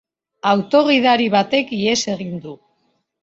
Auto gidari batek ihes egin du.